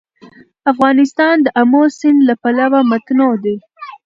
افغانستان د آمو سیند له پلوه متنوع دی.